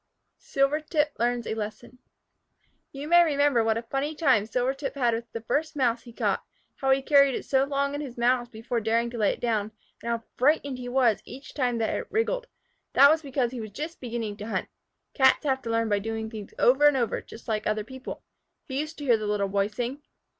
SILVERTIP LEARNS A LESSON You may remember what a funny time Silvertip had with the first Mouse he caught; how he carried it so long in his mouth before daring to lay it down, and how frightened he was each time that it wriggled. That was because he was just beginning to hunt. Cats have to learn by doing things over and over, just like other people. He used to hear the Little Boy sing.